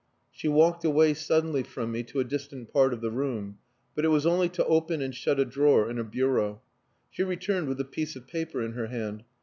She walked away suddenly from me to a distant part of the room; but it was only to open and shut a drawer in a bureau. She returned with a piece of paper in her hand.